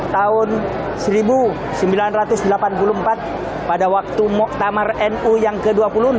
tahun seribu sembilan ratus delapan puluh empat pada waktu muktamar nu yang ke dua puluh enam